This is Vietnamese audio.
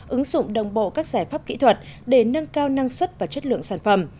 ứng dụng đồng bộ các giải pháp kỹ thuật để nâng cao năng suất và chất lượng sản phẩm